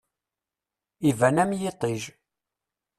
Iban am yiṭij.